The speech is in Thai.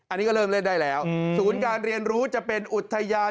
อันนี้ก็เริ่มเล่นได้แล้วศูนย์การเรียนรู้จะเป็นอุทยาน